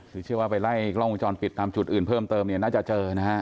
คือเชื่อว่าไปไล่กล้องวงจรปิดตามจุดอื่นเพิ่มเติมเนี่ยน่าจะเจอนะฮะ